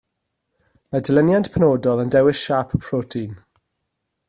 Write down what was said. Mae dilyniant penodol yn dewis siâp y protein